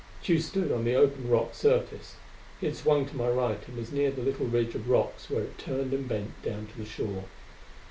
Tugh stood on the open rock surface. He had swung to my right and was near the little ridge of rocks where it turned and bent down to the shore.